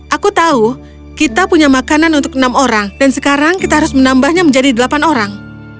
aku tahu kita punya makanan untuk enam orang dan sekarang kita harus menambahnya menjadi delapan orang